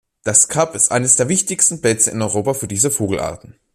Das Kap ist eines der wichtigsten Plätze in Europa für diese Vogelarten.